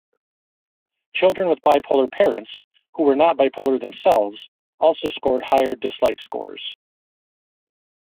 Children with bipolar parents who were not bipolar themselves also scored higher dislike scores.